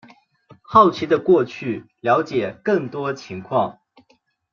好奇的过去了解更多情况